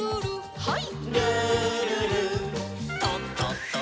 はい。